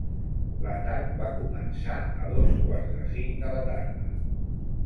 L'atac va començar a dos quarts de cinc de la tarda.